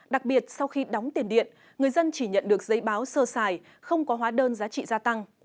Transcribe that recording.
đặc biệt sau khi đóng tiền điện người dân chỉ nhận được giấy báo sơ xài không có hóa đơn giá trị gia tăng